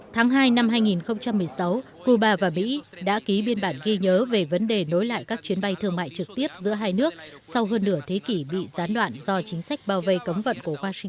tháng hai năm hai nghìn một mươi sáu cuba và mỹ đã ký biên bản ghi nhớ về vấn đề nối lại các chuyến bay thương mại trực tiếp giữa hai nước sau hơn nửa thế kỷ bị gián đoạn do chính sách bao vây cấm vận của washington